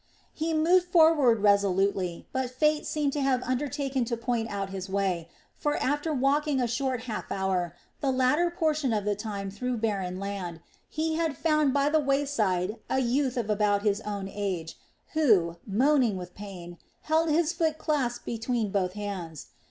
He moved forward irresolutely, but fate seemed to have undertaken to point out his way; for after walking a short half hour, the latter portion of the time through barren land, he had found by the wayside a youth of about his own age who, moaning with pain, held his foot clasped between both hands.